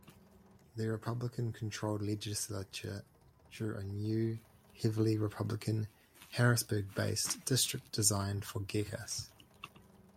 The Republican-controlled legislature drew a new, heavily Republican Harrisburg-based district designed for Gekas.